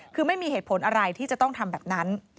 คือไม่มีเหตุผลอะไรที่จะต้องทำแบบนั้น